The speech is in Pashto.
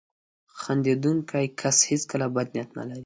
• خندېدونکی کس هیڅکله بد نیت نه لري.